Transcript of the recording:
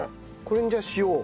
これにじゃあ塩を。